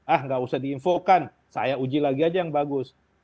ah nggak usah diinfokan saya uji lagi aja yang bagus